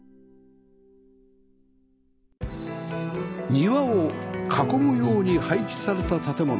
庭を囲むように配置された建物